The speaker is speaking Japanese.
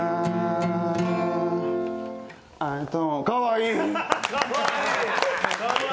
かわいい。